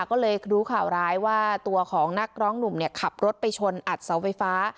ก็เลยรู้ข่าวร้ายว่าตัวของนักร้องหนุ่มขับรถไปชนอัดเสาไฟฟ้า